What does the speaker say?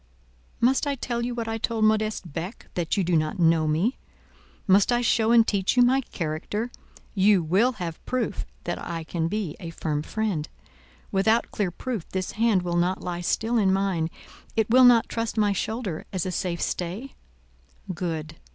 "Must I tell you what I told Modeste Beck—that you do not know me? Must I show and teach you my character? You will have proof that I can be a firm friend? Without clear proof this hand will not lie still in mine, it will not trust my shoulder as a safe stay? Good.